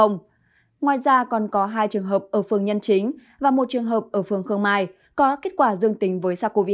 ngoài ra còn có hai trường hợp ở phường nhân chính và một trường hợp ở phường khương mai có kết quả dương tính với sars cov hai